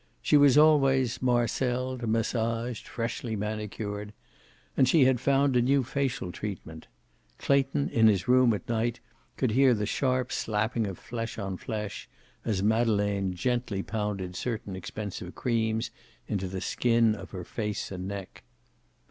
She was always marceled, massaged, freshly manicured. And she had found a new facial treatment. Clayton, in his room at night, could hear the sharp slapping of flesh on flesh, as Madeleine gently pounded certain expensive creams into the skin of her face and neck.